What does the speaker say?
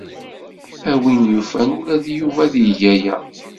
A win yufan ula d Yuba ad yeg aya.